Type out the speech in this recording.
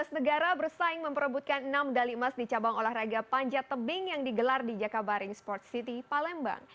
sebelas negara bersaing memperebutkan enam medali emas di cabang olahraga panjat tebing yang digelar di jakabaring sport city palembang